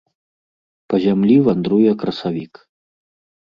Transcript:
Па зямлі вандруе красавік.